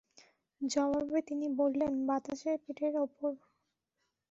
জবাবে তিনি বললেন, বাতাসের পিঠের উপর।